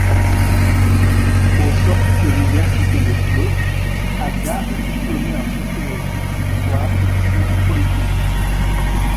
Au sortir de l’université d'Oslo, Haga est diplômée en sociologie, histoire et science politique.